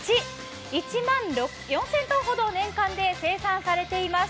１万４０００本ほど生産されています。